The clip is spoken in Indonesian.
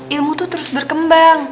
ilmu tuh terus berkembang